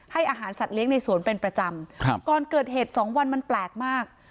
อาหารสัตว์เลี้ยงในสวนเป็นประจำครับก่อนเกิดเหตุสองวันมันแปลกมาก